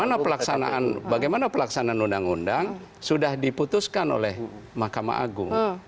bagaimana pelaksanaan bagaimana pelaksanaan undang undang sudah diputuskan oleh mahkamah agung